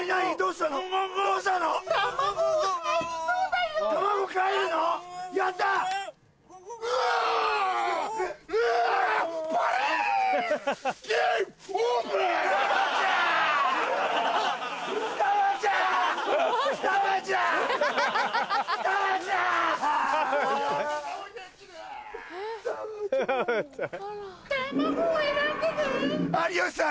・たまごを選んでね・有吉さん